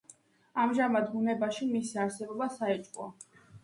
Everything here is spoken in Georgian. ამჟამად ბუნებაში მისი არსებობა საეჭვოა.